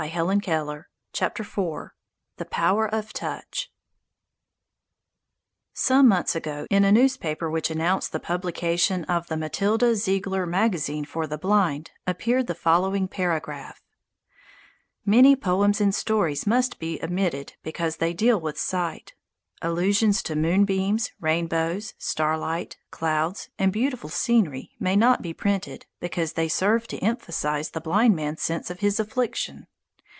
THE POWER OF TOUCH IV THE POWER OF TOUCH SOME months ago, in a newspaper which announced the publication of the "Matilda Ziegler Magazine for the Blind," appeared the following paragraph: "Many poems and stories must be omitted because they deal with sight. Allusion to moonbeams, rainbows, starlight, clouds, and beautiful scenery may not be printed, because they serve to emphasize the blind man's sense of his affliction."